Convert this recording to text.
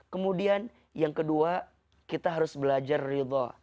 kemudian yang kedua kita harus belajar ridho